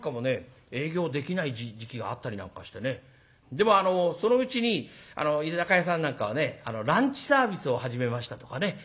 でもあのそのうちに居酒屋さんなんかはねランチサービスを始めましたとかね